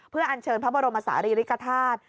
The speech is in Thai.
เพื่ออัญเชิญพระบรมศาลีริกฐาตุ